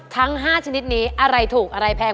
ทั้ง๕ชนิดนี้อะไรถูกอะไรแพง